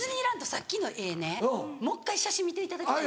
さっきの画ねもう一回写真見ていただきたい。